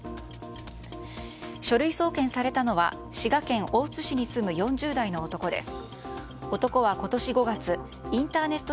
書類送検されたのは滋賀県大津市に住む４０代の男です。